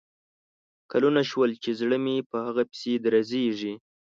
کلونه شول چې زړه مې په هغه پسې درزیږي